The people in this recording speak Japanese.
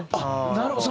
なるほど。